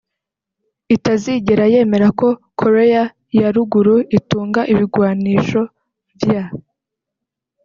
itazigera yemera ko Korea ya Ruguru itunga ibigwanisho vya